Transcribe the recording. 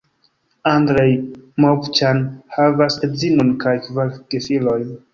Andrej Movĉan havas edzinon kaj kvar gefilojn.